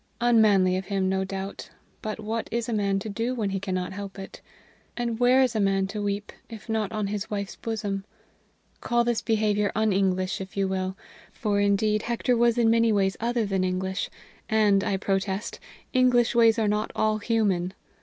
Unmanly of him, no doubt, but what is a man to do when he cannot help it? And where is a man to weep if not on his wife's bosom? Call this behavior un English, if you will; for, indeed, Hector was in many ways other than English, and, I protest, English ways are not all human.